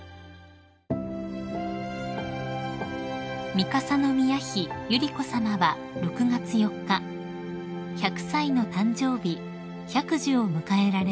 ［三笠宮妃百合子さまは６月４日１００歳の誕生日百寿を迎えられました］